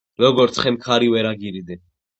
როგორც ხემ ქარი ვერ აგირიდე